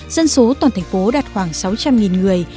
dân số toàn thành phố đạt khoảng sáu trăm linh người